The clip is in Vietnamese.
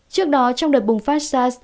trước đó trong đợt bùng phát sars